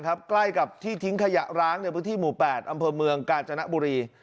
ใกล้กับที่ทิ้งขยะร้างในพื้นที่หมู่๘อำเภอเมืองกาญจนบุรี